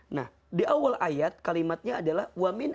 nah di awal ayat kalimatnya adalah